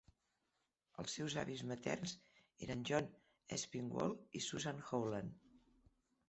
Els seus avis materns eren John Aspinwall i Susan Howland.